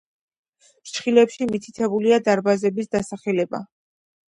ფრჩხილებში მითითებულია დარბაზების დასახელება.